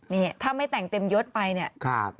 นี่ถ้าไม่แต่งเต็มยศไปเนี่ย